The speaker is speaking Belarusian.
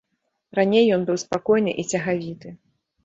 Раней ён быў спакойны і цягавіты.